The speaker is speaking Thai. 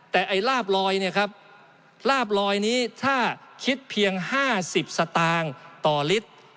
แต่ไอ้ลาบลอยเนี่ยครับลาบลอยนี้ถ้าคิดเพียง๕๐สตางค์ต่อลิตร